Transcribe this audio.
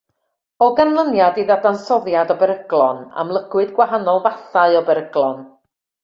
O ganlyniad i ddadansoddiad o beryglon, amlygwyd gwahanol fathau o beryglon.